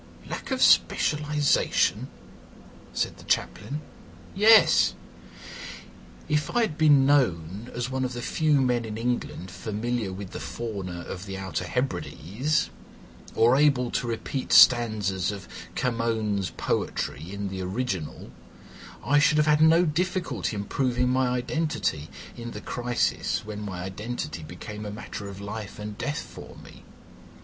"Lack of specialisation!" said the Chaplain. "Yes. If I had been known as one of the few men in England familiar with the fauna of the Outer Hebrides, or able to repeat stanzas of Camoens' poetry in the original, I should have had no difficulty in proving my identity in the crisis when my identity became a matter of life and death for me.